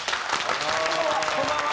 こんばんは！